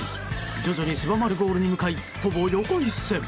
徐々に狭まるゴールに向かいほぼ横一線。